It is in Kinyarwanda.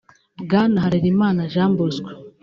a) Bwana Harelimana Jean Bosco